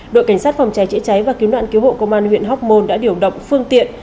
đội cảnh sát phòng cháy chữa cháy và cứu nạn cứu hộ công an huyện hóc môn đã điều động phương tiện